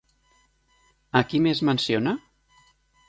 A qui més menciona?